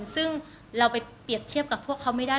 ซึ่งเราไปเปรียบเทียบกับพวกเขาไม่ได้